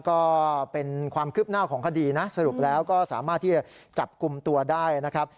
ก็เป็นความคืบหน้าของคดีนะสรุปแล้วก็สามารถที่จะจับกลุ่มตัวได้นะครับ